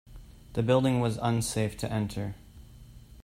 The building was unsafe to enter.